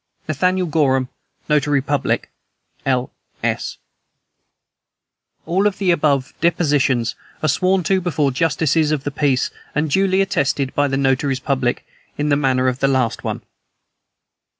"NATHANIEL GORHAM, Notary Public." (L. S.) (All the above depositions are sworn to before justices of the peace, and duly attested by notaries public, in manner of the last one.)